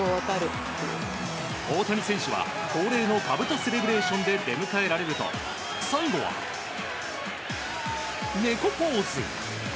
大谷選手は恒例のかぶとセレブレーションで出迎えられると最後は、猫ポーズ。